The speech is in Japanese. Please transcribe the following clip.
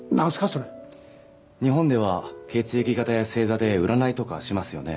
それ日本では血液型や星座で占いとかしますよね